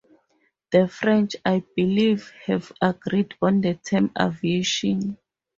The French, I believe, have agreed on the term aviation.